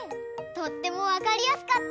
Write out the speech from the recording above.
とってもわかりやすかった！